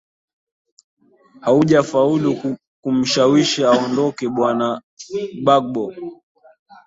haujafaaulu kumshawishi aondoke bwana gbagbo